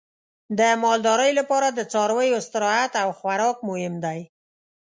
د مالدارۍ لپاره د څارویو استراحت او خوراک مهم دی.